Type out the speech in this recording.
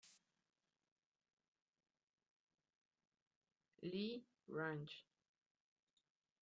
Lee Ranch.